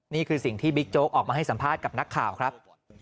นี่คือสิ่งที่บิ๊กโจ๊กออกมาให้สัมภาษณ์กับนักข่าวครับ